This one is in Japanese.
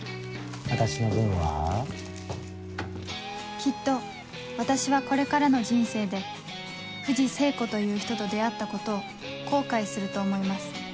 きっと私はこれからの人生で藤聖子という人と出会ったことを後悔すると思います